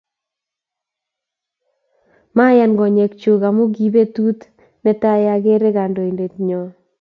Mayan konyek chuk amu kibetut netai akere kandoindet nyo